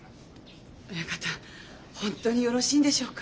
親方ホントによろしいんでしょうか。